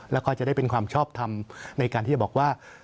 แล้วก็จะได้เป็นความชอบทำในการที่จะบอกว่า